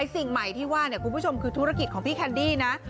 สิ่งใหม่ที่ว่าคุณผู้ชมคือธุรกิจของพี่แคนดี้นะ